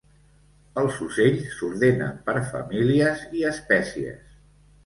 Els ocells s'ordenen per famílies i espècies.